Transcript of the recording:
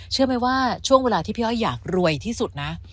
เชื่อไหมว่าช่วงเวลาที่พี่อ้อยอยากรวยที่สุดนะ